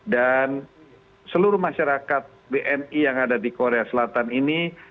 dan seluruh masyarakat bni yang ada di korea selatan ini